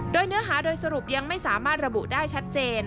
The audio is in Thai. โดยเนื้อหาโดยสรุปยังไม่สามารถระบุได้ชัดเจน